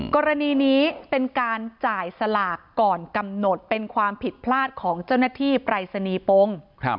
กรณีนี้เป็นการจ่ายสลากก่อนกำหนดเป็นความผิดพลาดของเจ้าหน้าที่ปรายศนีย์ปง